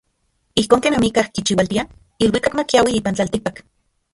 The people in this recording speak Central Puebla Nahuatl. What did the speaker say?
Ijkon ken amikaj kichiualtia iluikak makiaui ipan tlatikpak.